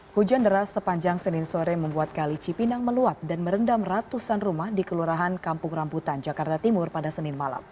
hujan deras sepanjang senin sore membuat kali cipinang meluap dan merendam ratusan rumah di kelurahan kampung rambutan jakarta timur pada senin malam